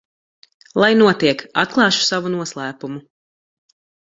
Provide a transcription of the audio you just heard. Lai notiek, atklāšu savu noslēpumu.